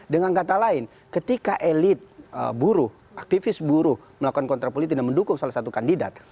dengan kata lain ketika elit buruh aktivis buruh melakukan kontra politik dan mendukung salah satu kandidat